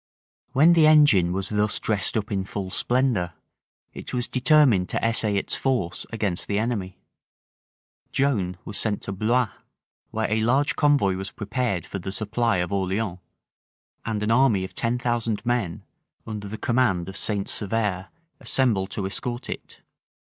When the engine was thus dressed up in full splendor, it was determined to essay its force against the enemy. Joan was sent to Blois, where a large convoy was prepared for the supply of Orleans, and an army of ten thousand men, under the command of St. Severe, assembled to escort it.